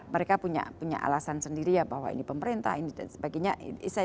mereka punya alasan sendiri ya bahwa ini pemerintah ini dan sebagainya